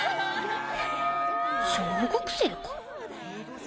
小学生か。